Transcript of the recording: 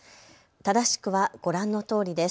正しくはご覧のとおりです。